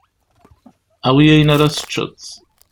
Awi ayen ara teččeḍ.